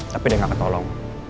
tapi dia gak ketolong